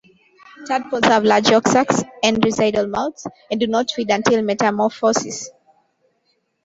Tadpoles have large yolk sacs and residual mouths, and do not feed until metamorphosis.